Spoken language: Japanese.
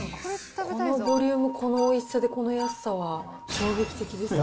このボリューム、このおいしさでこの安さは衝撃的ですね。